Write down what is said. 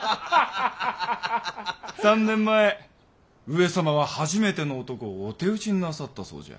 ３年前上様は初めての男をお手討ちになさったそうじゃ。